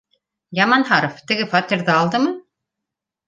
— Яманһаров теге фатирҙы алдымы?